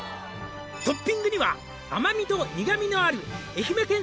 「トッピングには甘みと苦味のある」